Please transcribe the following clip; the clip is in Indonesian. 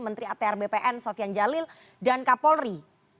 menteri atr bpn sofian jalil dan kapolri